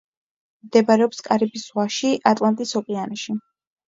მდებარეობს კარიბის ზღვაში, ატლანტის ოკეანე.